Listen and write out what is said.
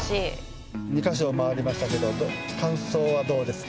２か所を回りましたけども感想はどうですか？